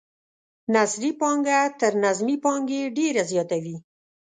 نثري پانګه تر نظمي پانګې ډیره زیاته وي.